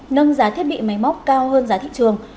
nâng giá thiết bị máy móc cao hơn giá thị trường